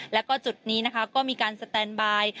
แล้วก็จุดนี้นะคะก็มีการสแตนบาย